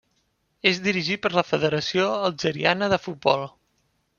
És dirigit per la Federació Algeriana de Futbol.